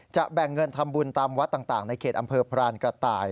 แบ่งเงินทำบุญตามวัดต่างในเขตอำเภอพรานกระต่าย